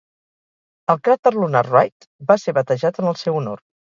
El cràter lunar "Wright" va ser batejat en el seu honor.